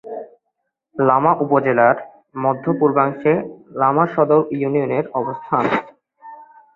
লামা উপজেলার মধ্য-পূর্বাংশে লামা সদর ইউনিয়নের অবস্থান।